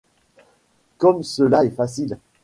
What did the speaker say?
Comme cela est facile !